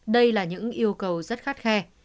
đây là những yêu cầu rất khát khe